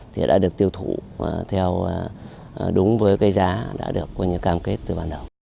thì đã được tiêu thụ theo đúng với cái giá đã được có những cam kết từ ban đầu